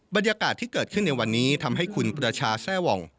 บรรยากาศที่เกิดขึ้นในวันนี้ทำให้คุณประชาแทร่หว่อง